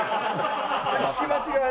それ聞き間違い。